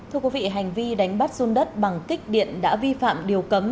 thưa quý vị hành vi đánh bắt run đất bằng kích điện đã vi phạm điều cấm